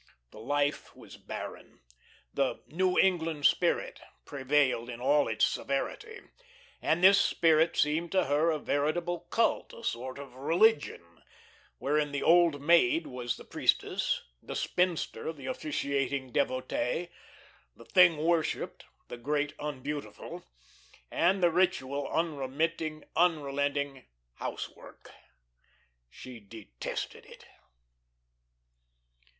The life was barren, the "New England spirit" prevailed in all its severity; and this spirit seemed to her a veritable cult, a sort of religion, wherein the Old Maid was the priestess, the Spinster the officiating devotee, the thing worshipped the Great Unbeautiful, and the ritual unremitting, unrelenting Housework. She detested it.